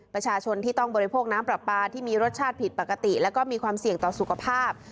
ประชาชนที่ต้องบริโภคน้ำปลาปลาที่มีรสชาติผิดปกติแล้วก็มีความเสี่ยงต่อสุขภาพ